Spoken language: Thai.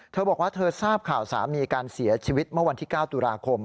เธอบอกว่าเธอทราบข่าวสามีการเสียชีวิตเมื่อวันที่๙ตุลาคม